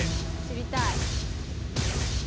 知りたい。